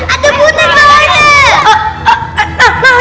ada buta bawahnya